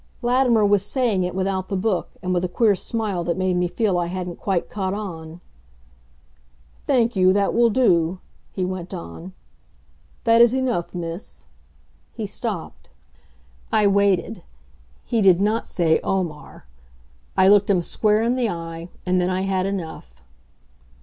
Latimer was saying it without the book and with a queer smile that made me feel I hadn't quite caught on. "Thank you, that will do," he went on. "That is enough, Miss " He stopped. I waited. He did not say "Omar." I looked him square in the eye and then I had enough.